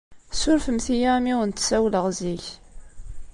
Surfemt-iyi imi went-ssawleɣ zik.